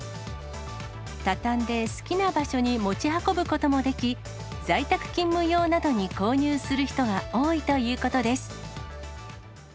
畳んで好きな場所に持ち運ぶこともでき、在宅勤務用などに購入する人が多いということです。